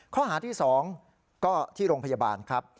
ข้อหาที่๒ก็ที่โรงพยาบาลครับ